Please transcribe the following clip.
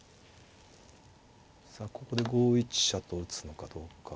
さあここで５一飛車と打つのかどうか。